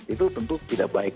itu tentu tidak baik